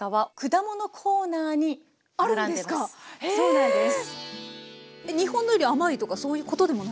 そうなんですね。